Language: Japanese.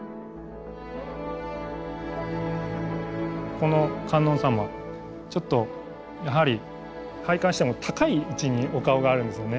この観音様ちょっとやはり拝観しても高い位置にお顔があるんですよね。